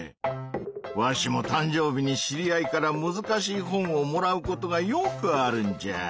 わしもたんじょうびに知り合いからむずかしい本をもらうことがよくあるんじゃ。